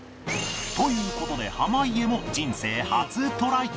という事で濱家も人生初トライ